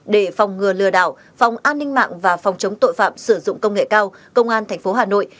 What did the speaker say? để phòng ngừa lừa đảo phòng an ninh mạng và phòng chống tội phạm sử dụng công nghệ cao công an tp hà nội